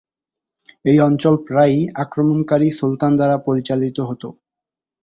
এ অঞ্চল প্রায়ই আক্রমণকারী সুলতান দ্বারা পরিচালিত হতো।